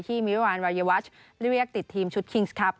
มิรวานรายวัชเรียกติดทีมชุดคิงส์ครับ